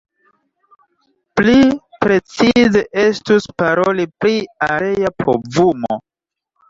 Pli precize estus paroli pri area povumo.